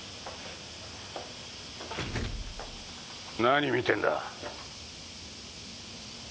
何見てんだ。